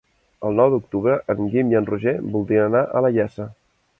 El nou d'octubre en Guim i en Roger voldrien anar a la Iessa.